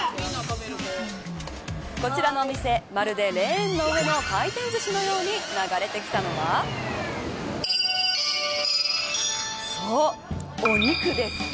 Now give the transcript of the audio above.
こちらのお店まるでレーンの上の回転ずしのように流れてきたのはそう、お肉です。